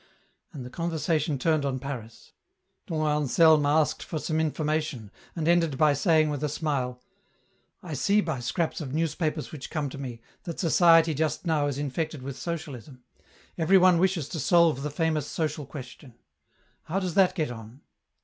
And the conversation turned on Paris. Dom Anselm asked for some information, and ended by saying with a smile, " I see by scraps of newspapers which come to me, that society just now is infected with socialism. Everyone wishes to solve the famous social question. How does that get on